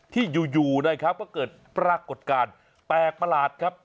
ที่อยู่นะครับก็เกิดปรากฏการณ์แปลกประหลาดครับ